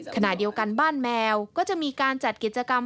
ขณะเดียวกันบ้านแมวก็จะมีการจัดกิจกรรม